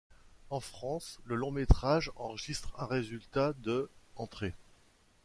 En France, le long-métrage enregistre un résultat de entrées.